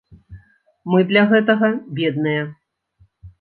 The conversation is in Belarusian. Мы для гэтага бедныя.